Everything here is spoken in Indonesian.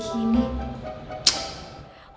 hah dipikir betapa gue udah daun kemarin mandi kayak gini